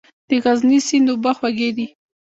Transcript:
د غزني سیند اوبه خوږې دي؟